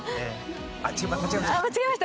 「あっ間違えました」。